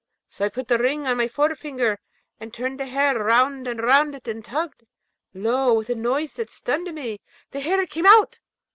So I put the Ring on my forefinger, and turned the hair round and round it, and tugged. Lo, with a noise that stunned me, the hair came out!